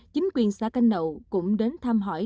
chính quyền xã canh nậu cũng đến thăm hỏi